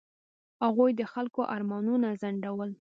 هغوی د خلکو ارمانونه ځنډول.